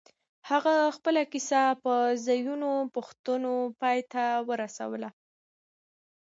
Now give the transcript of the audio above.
هغه خپله کيسه په ځينو پوښتنو پای ته ورسوله.